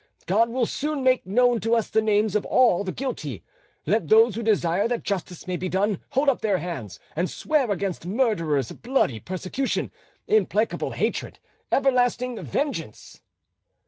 God will soon make known to us the names of all the guilty: let those who desire that justice may be done hold up their hands and swear against murderers bloody persecution, implacable hatred, everlasting vengeance."